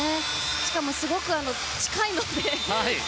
しかも、すごく近いので。